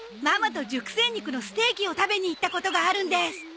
ママと熟成肉のステーキを食べに行ったことがあるんです。